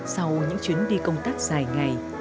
sau những chuyến đi công tác dài ngày